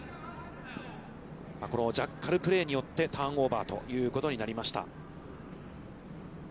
ジャッカルプレイによって、ターンオーバーということになりました。